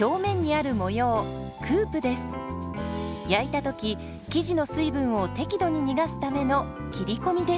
表面にある模様焼いた時生地の水分を適度に逃がすための切り込みです。